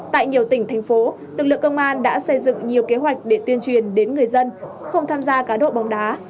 tại nhiều tỉnh thành phố lực lượng công an đã xây dựng nhiều kế hoạch để tuyên truyền đến người dân không tham gia cá độ bóng đá